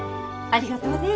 ありがとうね。